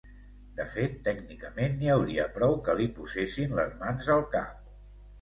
De fet, tècnicament n'hi hauria prou que li posessin les mans al cap.